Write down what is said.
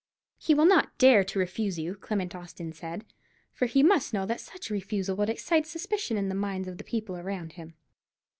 "He will not dare to refuse you," Clement Austin said; "for he must know that such a refusal would excite suspicion in the minds of the people about him."